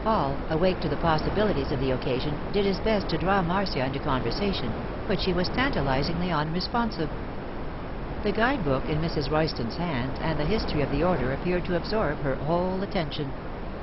Paul, awake to the possibilities of the occasion, did his best to draw Marcia into conversation, but she was tantalizingly unresponsive. The guide book in Mrs. Royston's hands and the history of the order appeared to absorb her whole attention.